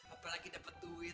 apalagi dapat duit